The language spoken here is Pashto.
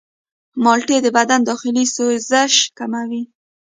مالټې د بدن داخلي سوزش کموي.